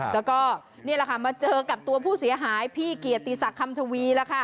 และก็อันนี้ล่ะค่ะมาเจอกับตัวผู้เสียหายพี่เกียรติศักดิ์คัมถาวีล่ะค่ะ